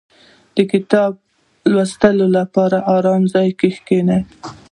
• د کتاب لوستلو لپاره آرام ځای کې کښېنه.